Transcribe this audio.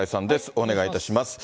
お願いいたします。